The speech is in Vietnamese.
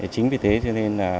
chính vì thế cho nên